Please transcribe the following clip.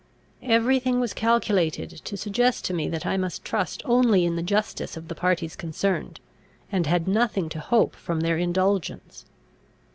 Every thing was calculated to suggest to me that I must trust only in the justice of the parties concerned, and had nothing to hope from their indulgence.